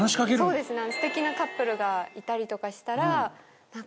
そうですね。